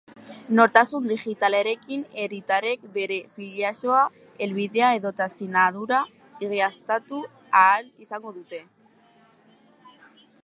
Nortasun digitalarekin herritarrek bere filiazioa, helbidea edota sinadura egiaztatu ahal izango dute.